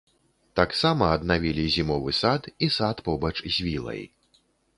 Таксама аднавілі зімовы сад і сад побач з вілай.